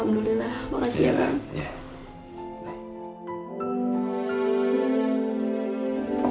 makasih ya bang